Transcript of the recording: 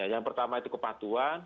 yang pertama itu kepatuan